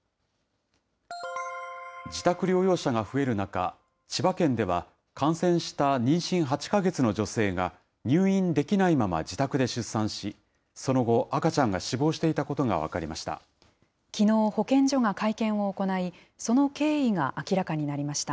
自宅療養者が増える中、千葉県では感染した妊娠８か月の女性が入院できないまま自宅で出産し、その後、赤ちゃんが死亡していたことが分かりました。